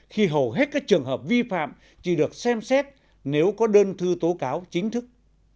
khi hầu hết các trường hợp vi phạm chỉ được xem xét nếu có đơn thư tố cáo chính thức